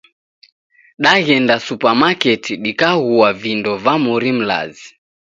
Daghenda supamaketi dikaghua vindo va mori mlazi